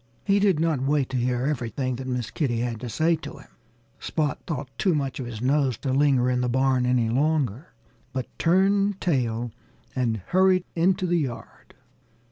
He did not wait to hear everything that Miss Kitty had to say to him. Spot thought too much of his nose to linger in the barn any longer, but turned tail and hurried into the yard.